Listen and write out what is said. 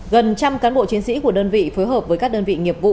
gần trăm cán bộ chiến sĩ của đơn vị phối hợp với các đơn vị nghiệp vụ